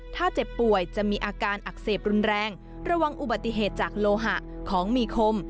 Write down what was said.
ถ้าเจ็บป่วยจะมีอาการอักเสบรุนแรงระวังอุบัติเหตุจากโลหะของมีคม